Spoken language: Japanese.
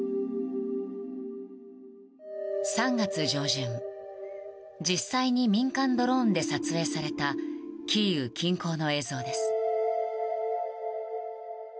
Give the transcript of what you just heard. ３月上旬、実際に民間ドローンで撮影されたキーウ近郊の映像です。